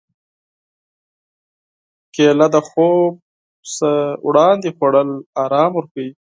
کېله د خوب نه وړاندې خوړل ارام ورکوي.